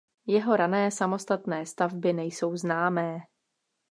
Jeho rané samostatné stavby nejsou známé.